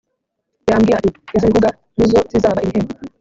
yambwira ati Iz ibihuga ni zo zizaba ibihembo